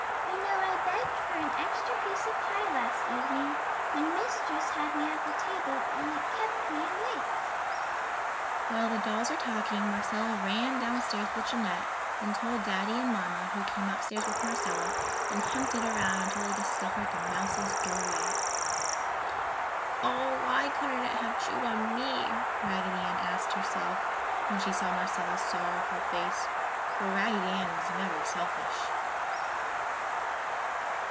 "You know I begged for an extra piece of pie last evening, when Mistress had me at the table and it kept me awake!" While the dolls were talking, Marcella ran down stairs with Jeanette and told Daddy and Mamma, who came up stairs with Marcella and hunted around until they discovered the mouse's doorway. "Oh, why couldn't it have chewed on me?" Raggedy Ann asked herself when she saw Marcella's sorrowful face, for Raggedy Ann was never selfish.